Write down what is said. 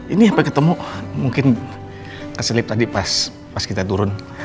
ini sampai ketemu mungkin keselip tadi pas kita turun